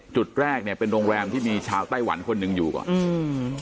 จุดแรกเนี้ยเป็นโรงแรมที่มีชาวไต้หวันคนหนึ่งอยู่ก่อนอืม